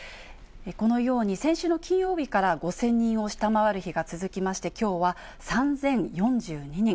このように、先週の金曜日から５０００人を下回る日が続きまして、きょうは３０４２人。